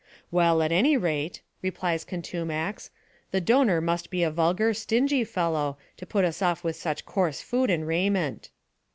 " Well, at any rate," replies Contumax, " the donor must be a vulgar, stingy fellow, to put us off with such coarse food and raiment."